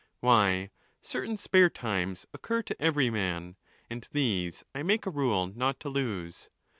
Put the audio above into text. —Why, certain spare times occur to every man, and these I make a rule not to lose.